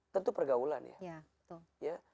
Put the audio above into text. tentu pergaulan ya